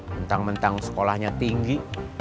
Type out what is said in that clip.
mentang mentang sekolahnya tinggi